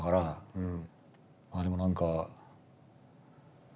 うん。